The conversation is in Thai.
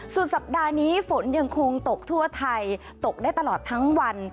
สุดสัปดาห์นี้ฝนยังคงตกทั่วไทยตกได้ตลอดทั้งวัน